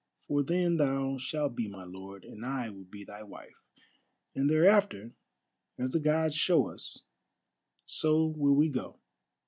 For then thou shalt be my lord, and I will be thy wife. And thereafter, as the Gods show us, so will we go.